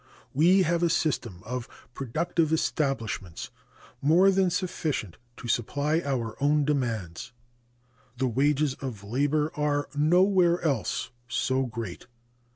We have a system of productive establishments more than sufficient to supply our own demands. The wages of labor are nowhere else so great.